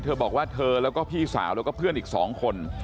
เธอบอกว่าเธอแล้วก็พี่สาวแล้วก็เพื่อนอีก๒คน